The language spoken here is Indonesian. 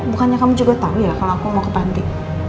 bukannya kamu juga tahu ya kalau aku mau ke panti